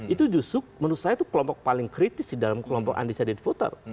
itu justru menurut saya itu kelompok paling kritis di dalam kelompok undecided voter